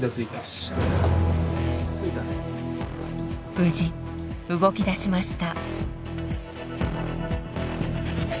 無事動き出しました。